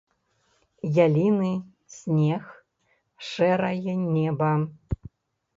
Яліны, снег, шэрае неба.